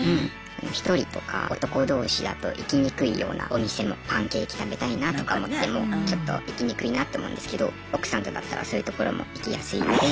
１人とか男同士だと行きにくいようなお店もパンケーキ食べたいなとか思ってもちょっと行きにくいなって思うんですけど奥さんとだったらそういうところも行きやすいので。